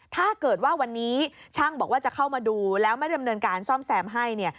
ถ้าเกิดว่าวันนี้ช่างบอกว่าจะเข้ามาดูแล้วไม่ดำเนินการซ่อมแซมให้เนี่ย